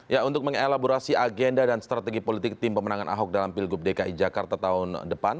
ya untuk mengelaborasi agenda dan strategi politik tim pemenangan ahok dalam pilgub dki jakarta tahun depan